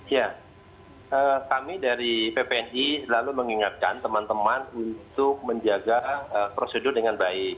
ya kami dari ppni selalu mengingatkan teman teman untuk menjaga prosedur dengan baik